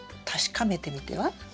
確かめてみては？